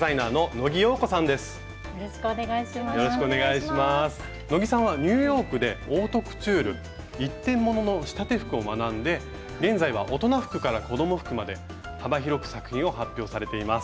野木さんはニューヨークでオートクチュール一点物の仕立て服を学んで現在は大人服から子ども服まで幅広く作品を発表されています。